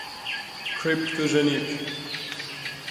کریپتوژنیک